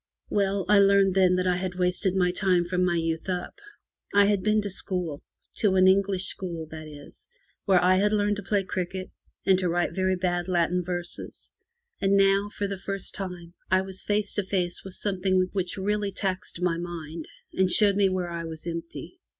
Well, I learned then that I had wasted my time from my youth up. I had been to school — to an English school, that is — where I had learned to play cricket and to write very bad Latin verses; and now, for the first time, I was face to face with some thing which really taxed my mind, and showed me where I was empty.